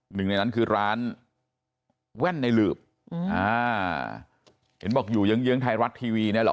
หนึ่งในนั้นคือร้านแว่นในหลืบอ่าเห็นบอกอยู่เยื้องเยื้องไทยรัฐทีวีเนี่ยเหรอ